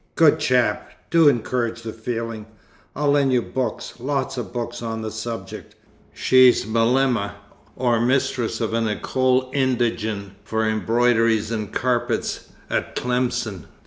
"Good chap! Do encourage the feeling. I'll lend you books, lots of books, on the subject. She's 'malema,' or mistress of an école indigène for embroideries and carpets, at Tlemcen.